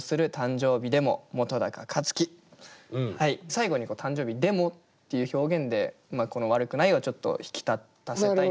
最後に「誕生日でも」っていう表現でこの「わるくない」をちょっと引き立たせたいなと思った。